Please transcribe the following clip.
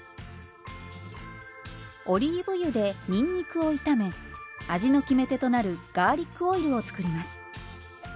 オリーブ油でにんにくを炒め味の決め手となるガーリックオイルを作ります。